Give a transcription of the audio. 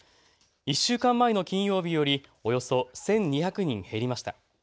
１週間前の金曜日よりおよそ１２００人減りました。